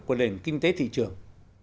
của nền kinh tế thị trường